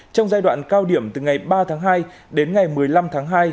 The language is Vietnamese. trong giai đoạn cao điểm từ ngày ba tháng hai đến ngày một mươi năm tháng hai